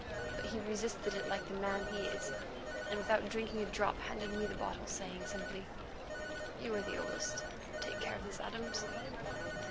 But he resisted it like the man he is, and, without drinking a drop, handed me the bottle, saying simply: "You are the oldest; take care of this, Adams."